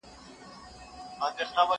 زه هره ورځ د سبا لپاره د سوالونو جواب ورکوم!.